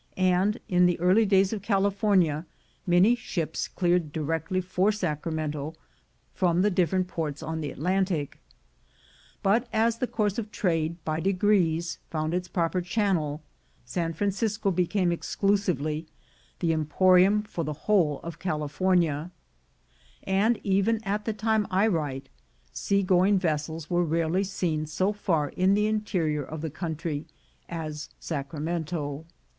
and OFF FOR THE MINES 105 in the early days of California, many ships cleared directly for Sacramento from the different ports on the Atlantic; but as the course of trade by degrees found its proper channel, San Francisco became ex clusively the emporium for the whole of California, and even at the time I write of, sea going vessels were rarely seen so far in the interior of the country as Sacramento.